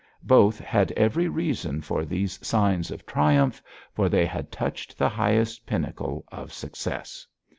Both had every reason for these signs of triumph, for they had touched the highest pinnacle of success.